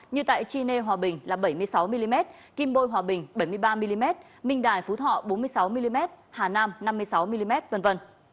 như tại chiê hòa bình là bảy mươi sáu mm kim bôi hòa bình bảy mươi ba mm minh đài phú thọ bốn mươi sáu mm hà nam năm mươi sáu mm v v